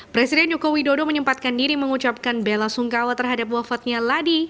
presiden joko widodo menyempatkan diri mengucapkan bela sungkawa terhadap wafatnya ladi